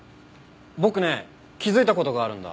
僕ね気づいた事があるんだ。